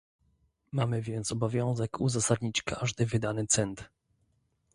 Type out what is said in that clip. Mamy więc obowiązek uzasadnić każdy wydany cent